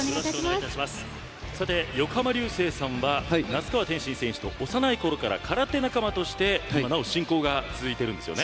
横浜流星さんは那須川天心選手と幼いころから空手仲間として親交が続いているんですよね。